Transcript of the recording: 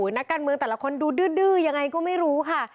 นักการเมืองแต่ละคนดูดื้อยังไงก็ไม่รู้ค่ะ